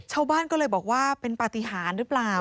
ชาวบ้านก็เลยบอกว่าเป็นปฏิหารหรือเปล่า